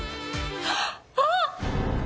あっ！